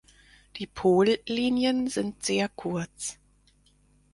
Die Pollinien sind sehr kurz.